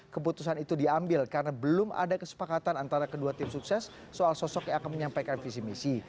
keputusan itu diambil karena belum ada kesepakatan antara kedua tim sukses soal sosok yang akan menyampaikan visi misi